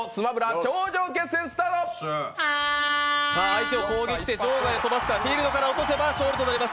相手を攻撃して場外へ飛ばすかフィールドから落とせば勝利となります。